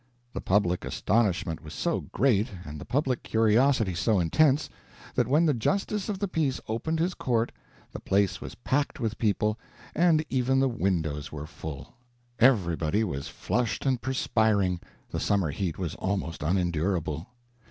The public astonishment was so great and the public curiosity so intense, that when the justice of the peace opened his court, the place was packed with people and even the windows were full. Everybody was flushed and perspiring; the summer heat was almost unendurable.